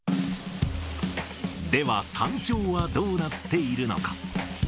では、山頂はどうなっているのか。